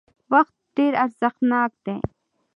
وخت ډېر ارزښتناک دی